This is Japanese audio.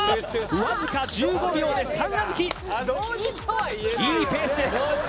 わずか１５秒で３小豆いいペースです